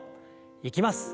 いきます。